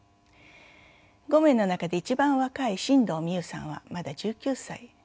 ５名の中で一番若い進藤実優さんはまだ１９歳。